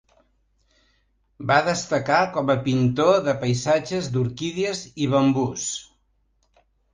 Va destacar com a pintor de paisatges, d'orquídies i bambús.